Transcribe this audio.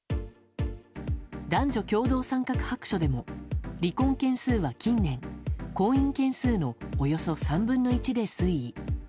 男女共同参画白書でも離婚件数は、近年婚姻件数のおよそ３分の１で推移。